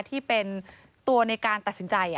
ที่เป็นตัวในการตัดสินใจ